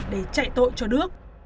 để chạy tội cho nước